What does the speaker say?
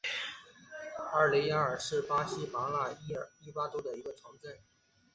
阿雷亚尔是巴西帕拉伊巴州的一个市镇。